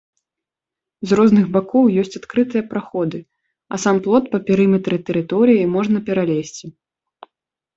З розных бакоў ёсць адкрытыя праходы, а сам плот па перыметры тэрыторыі можна пералезці.